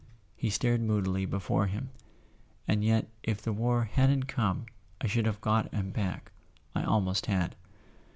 He stared moodily before him. "And yet if the war hadn't come I should have got him back—I almost had."